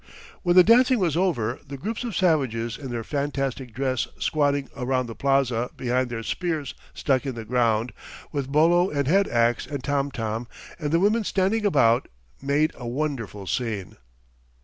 When the dancing was over, the groups of savages in their fantastic dress squatting around the plaza behind their spears stuck in the ground, with bolo and head ax and tom tom, and the women standing about, made a wonderful scene.